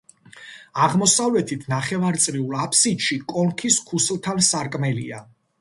აღმოსავლეთით, ნახევარწრიულ აფსიდში, კონქის ქუსლთან სარკმელია.